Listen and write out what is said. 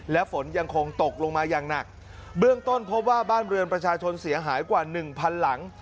และฝนยังคงตกลงมาอย่างหนักเบื้องต้นพบว่าบ้านเรือนประชาชนเสียหายกว่าหนึ่งพันหลัง